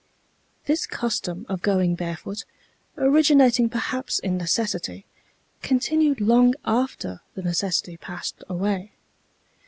This custom of going barefoot, originating perhaps in necessity, continued long after the necessity passed away.